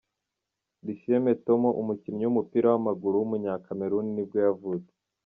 Lucien Mettomo, umukinnyi w’umupira w’amaguru w’umunyakameruni nibwo yavutse.